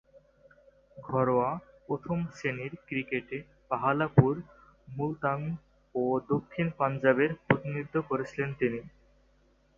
ঘরোয়া প্রথম-শ্রেণীর ক্রিকেটে বাহাওয়ালপুর, মুলতান ও দক্ষিণ পাঞ্জাবের প্রতিনিধিত্ব করেছেন তিনি।